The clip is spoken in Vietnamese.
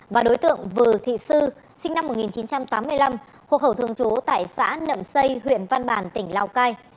và đối tượng vừa thị sư sinh năm một nghìn chín trăm tám mươi năm hộ khẩu thường trú tại xã nậm xây huyện văn bàn tỉnh lào cai